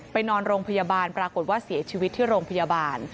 นอนโรงพยาบาลปรากฏว่าเสียชีวิตที่โรงพยาบาล